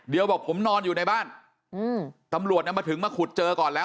เดี๋ยวบอกผมนอนอยู่ในบ้านอืมตำรวจนำมาถึงมาขุดเจอก่อนแล้ว